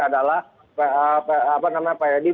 adalah pak yedira